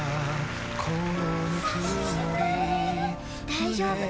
大丈夫。